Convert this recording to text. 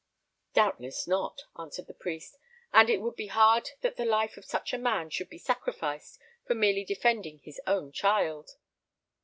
"Doubtless not," answered the priest; "and it would be hard that the life of such a man should be sacrificed for merely defending his own child."